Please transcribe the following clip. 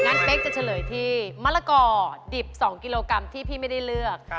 เป๊กจะเฉลยที่มะละกอดิบ๒กิโลกรัมที่พี่ไม่ได้เลือก